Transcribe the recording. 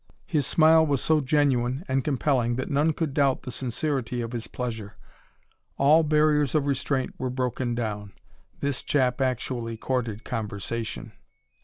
His smile was so genuine and compelling that none could doubt the sincerity of his pleasure. All barriers of restraint were broken down. This chap actually courted conversation.